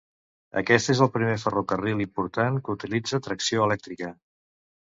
Aquest és el primer ferrocarril important que utilitza tracció elèctrica.